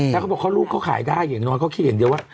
ถ้าลูกขายได้น้อยคิดเฉยเท่าไหร่